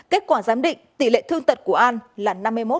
kết quả giám định tỷ lệ thương tật của an là năm mươi một